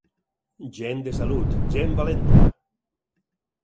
Gent de salut, gent valenta.